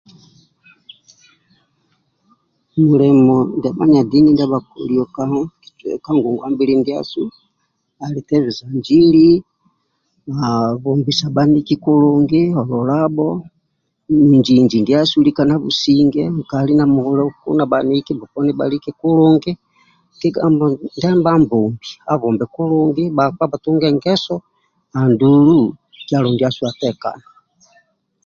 Mulimo ndia bana dini ba koli ka ngongwambili ndiasu ali tebeja njili na bhombisa baniki kulungi hololabo inji inji ndiasu lika na businge nkali na muluku na baniki boponi balike kulungi kigambo ndia Amabombi abhombe kulungi bakpa batunge ngeso andulu kyalo ndiasu atekane